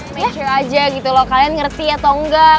make sure aja gitu loh kalian ngerti atau enggak